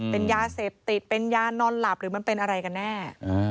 เป็นยาเสพติดเป็นยานอนหลับหรือมันเป็นอะไรกันแน่